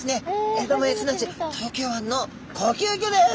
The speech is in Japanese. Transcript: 江戸前育ち東京湾の高級魚です！